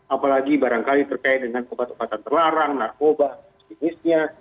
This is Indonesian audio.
apalagi barangkali terkait dengan obat obatan terlarang narkoba sejenisnya